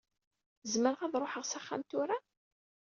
Zemreɣ ad ṛuḥeɣ s axxam tura?